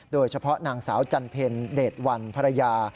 โดยเฉพาะนางสาวจันเพ็ญเดชวันภรรยา